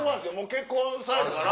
結婚されたから。